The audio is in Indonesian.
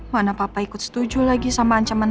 mana papa ikut setuju lagi sama ancaman